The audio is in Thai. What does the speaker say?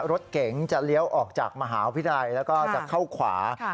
รถเก๋งจะเลี้ยวออกจากมหาวิทยาลัยแล้วก็จะเข้าขวา